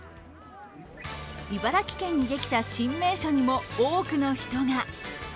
茨城県にできた新名所にも多くの人が。